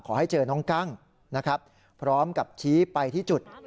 ขอให้เจอน้องกังพร้อมกับชี้ไปที่จุด